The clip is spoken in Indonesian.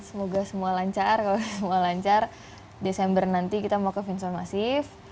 semoga semua lancar kalau semua lancar desember nanti kita mau ke vinson masif